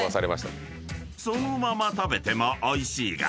［そのまま食べてもおいしいが］